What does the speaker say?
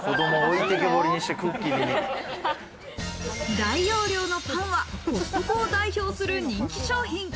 大容量のパンはコストコを代表する人気商品。